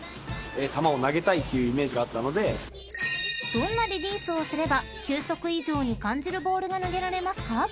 ［どんなリリースをすれば球速以上に感じるボールが投げられますか？］